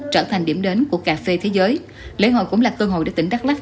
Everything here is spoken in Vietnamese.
trở thành điểm đến của cà phê thế giới lễ hội cũng là cơ hội để tỉnh đắk lắc